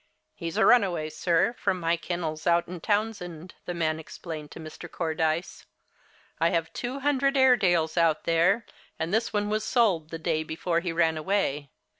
"He's a runaway, sir, from my kennels out in Townsend," the man explained to Mr. Cordyce. "I have two hundred Airedales out there, and this one was sold the day before he ran away.